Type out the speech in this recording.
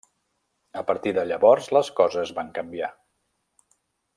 A partir de llavors les coses van canviar.